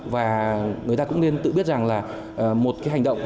và người ta cũng nên tự biết rằng là một cái hành động